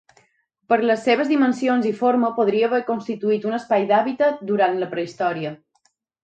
Per les seves dimensions i forma, podria haver constituït un espai d'hàbitat durant la prehistòria.